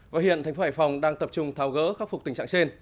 và hiện thành phố hải phòng đang tập trung tháo gỡ khắc phục tình trạng trên